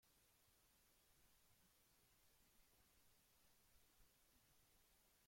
El álbum está actualmente descatalogado y es difícil de encontrar